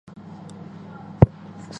入围从缺。